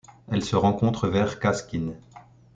Elle se rencontre vers Kazkin.